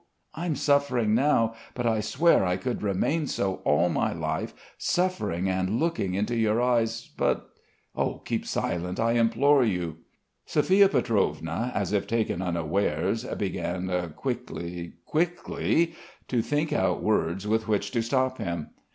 I'm suffering now; but I swear I could remain so all my life, suffering and looking into your eyes, but.... Keep silent, I implore you." Sophia Pietrovna as if taken unawares began, quickly, quickly, to think out words with which to stop him.